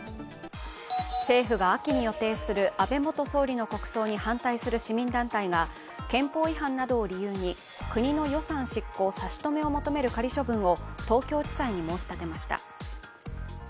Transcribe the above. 政府が秋に予定する安倍元総理の国葬に反対する市民団体が憲法違反などを理由に国の予算執行差し止めを求める仮処分を東京地裁に申し立てました。